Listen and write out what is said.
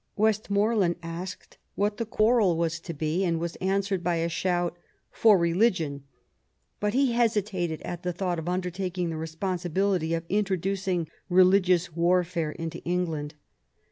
Westmoreland asked what the quarrel was to be, and was answered by a shout " For religion I " But he hesitated at the thought of undertaking the responsibility of introducing religious warfare into England.